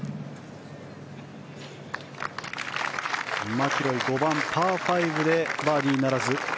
マキロイ、５番パー５でバーディーならず。